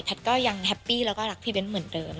ก็ยังแฮปปี้แล้วก็รักพี่เบ้นเหมือนเดิม